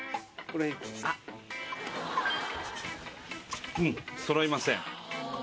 これうん揃いません